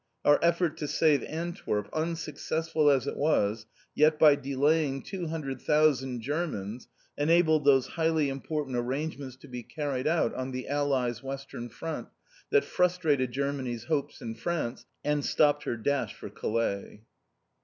Our effort to save Antwerp, unsuccessful as it was, yet by delaying 200,000 Germans, enabled those highly important arrangements to be carried out on the Allies' western front that frustrated Germany's hopes in France, and stopped her dash for Calais!